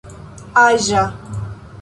aĝa